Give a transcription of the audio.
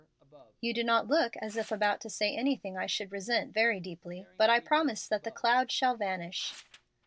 "You do not look as if about to say anything I should resent very deeply. But I promise that the cloud shall vanish."